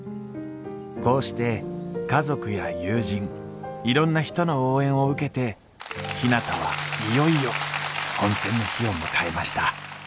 こうして家族や友人いろんな人の応援を受けてひなたはいよいよ本選の日を迎えました